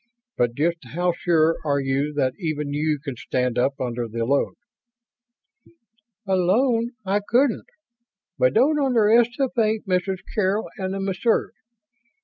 "But just how sure are you that even you can stand up under the load?" "Alone, I couldn't. But don't underestimate Mrs. Carroll and the Messrs.